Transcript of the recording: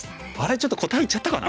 ちょっと答え言っちゃったかな？